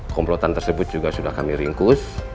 komplotan tersebut juga sudah kami ringkus